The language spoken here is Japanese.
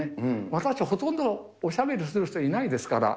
私はほとんどおしゃべりする人いないですから。